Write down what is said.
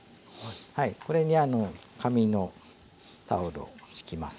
これに紙のタオルを敷きます。